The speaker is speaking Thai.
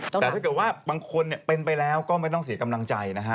แต่ถ้าเกิดว่าบางคนเป็นไปแล้วก็ไม่ต้องเสียกำลังใจนะฮะ